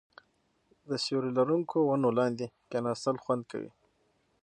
د سیوري لرونکو ونو لاندې کیناستل خوند کوي.